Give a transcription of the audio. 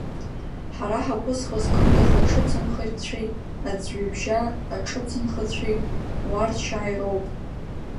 Ҳара ҳақәызхыз Кындыӷ аҿыцынхацәеи, Азҩыбжьа аҿыцынхацәеи, уарчааи роуп.